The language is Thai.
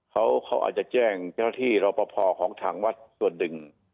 เขาอาจจะแจ้งเจ้าที่เราพอของถังวัดส่วนหนึ่ง